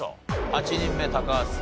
８人目高橋さん